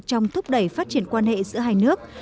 trong thúc đẩy phát triển quan hệ giữa hai nước